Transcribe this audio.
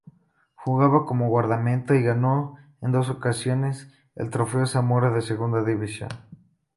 Jugaba como guardameta y ganó en dos ocasiones el Trofeo Zamora de Segunda División.